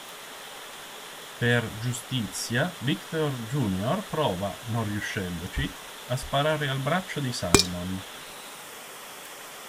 Per "giustizia", Victor Jr. prova, non riuscendoci, a sparare al braccio di Simon.